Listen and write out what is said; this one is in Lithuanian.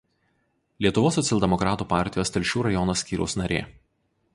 Lietuvos socialdemokratų partijos Telšių rajono skyriaus narė.